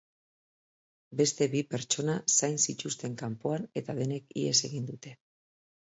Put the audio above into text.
Beste bi pertsona zain zituzten kanpoan eta denek ihes egin dute.